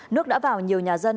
nước đã vào nhiều nhà dân